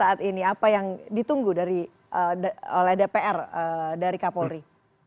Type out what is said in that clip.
apa yang ditunggu oleh dpr dari kapolri